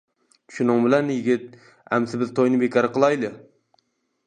شۇنىڭ بىلەن يىگىت :ئەمسە بىز توينى بىكار قىلايلى!